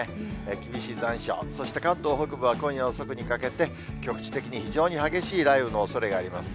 厳しい残暑、そして関東北部は、今夜遅くにかけて、局地的に非常に激しい雷雨のおそれがあります。